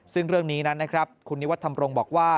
ซึ่งเรื่องนี้นั้นนะครับคุณนิวัฒนรงค์บอกว่า